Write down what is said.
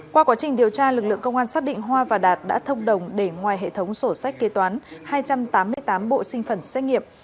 qua quá trình điều tra lực lượng công an xác định hoa và đạt đã thông đồng để ngoài hệ thống sổ sách kế toán hai trăm tám mươi tám bộ sinh phẩm xét nghiệm